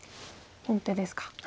本手ですか。